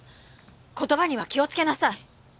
言葉には気をつけなさい！